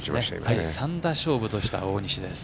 第３打勝負とした大西です。